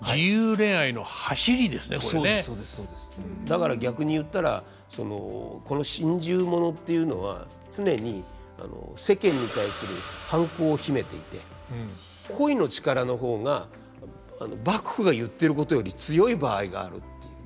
だから逆に言ったらこの心中物っていうのは常に世間に対する反抗を秘めていて恋の力の方が幕府が言ってることより強い場合があるっていう。